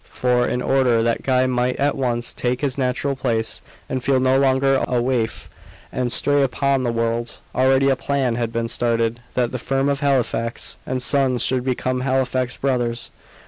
For, in order that Guy might at once take his natural place, and feel no longer a waif and stray upon the world, already a plan had been started, that the firm of Halifax and Sons should become Halifax Brothers.